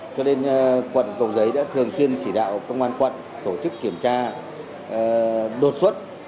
cho nên quận cầu giấy đã thường xuyên chỉ đạo công an quận tổ chức kiểm tra đột xuất